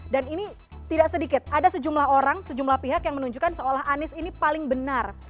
dan ini tidak sedikit ada sejumlah orang sejumlah pihak yang menunjukkan seolah anies ini paling benar